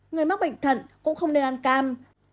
người mắc bệnh thận cũng không nên ăn cam